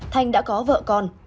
thanh đã có vợ con